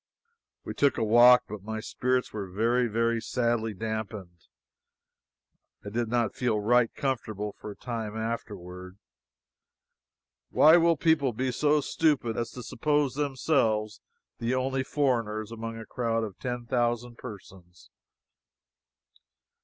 We took a walk, but my spirits were very, very sadly dampened. I did not feel right comfortable for some time afterward. Why will people be so stupid as to suppose themselves the only foreigners among a crowd of ten thousand persons?